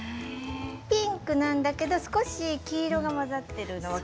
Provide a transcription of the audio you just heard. ピンクなんだけど少し黄色が混ざってるの